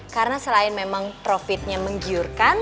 karena selain memang profitnya menggiurkan